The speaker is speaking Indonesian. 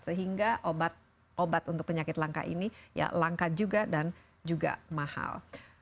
sehingga obat obat untuk penyakit langka ini ya langka juga tidak bisa dikeluarkan oleh penyakit langka